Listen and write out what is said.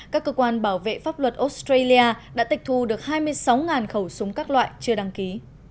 các cơ quan bảo vệ pháp luật australia đã tịch thu được hai mươi sáu khẩu súng các loại chưa đăng ký